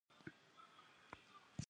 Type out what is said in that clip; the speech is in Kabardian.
Ç'eft lhenıkhuem ceşşıp'e şıdi'eş.